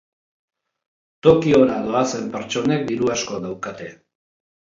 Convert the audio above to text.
Tokiora doazen pertsonek diru asko daukate.